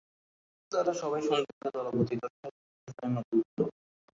তারা সবাই সন্দীপকে দলপতি করে স্বদেশী-প্রচারে মেতে উঠল।